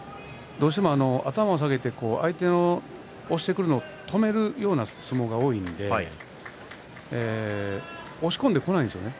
頭を下げて相手が押してくることを止めるような相撲が多いので押し込んでこないんですよね。